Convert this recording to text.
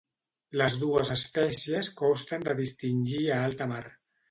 Les dues espècies costen de distingir a alta mar.